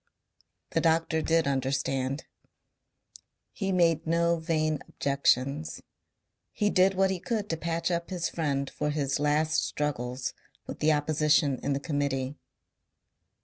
The doctor did understand. He made no vain objections. He did what he could to patch up his friend for his last struggles with the opposition in the Committee.